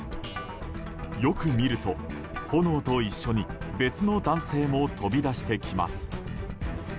よく見ると、炎と一緒に別の男性も飛び出してきます。